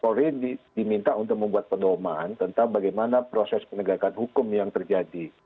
polri diminta untuk membuat pedoman tentang bagaimana proses penegakan hukum yang terjadi